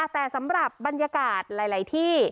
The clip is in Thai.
แต่สำหรับบรรยากาศหลายที่